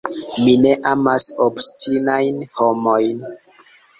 Mi ne amas obstinajn homojn.